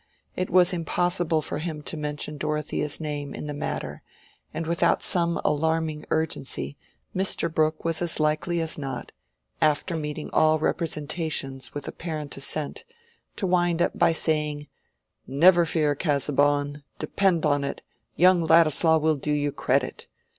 It was impossible for him to mention Dorothea's name in the matter, and without some alarming urgency Mr. Brooke was as likely as not, after meeting all representations with apparent assent, to wind up by saying, "Never fear, Casaubon! Depend upon it, young Ladislaw will do you credit.